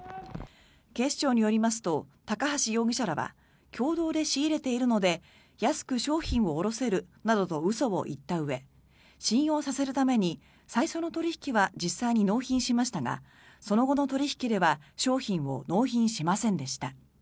警視庁によりますと高橋容疑者らは共同で仕入れているので安く商品を卸せるなどと嘘を言ったうえ信用させるために最初の取引は実際に納品しましたがその後の取引では商品を納品しませんでした。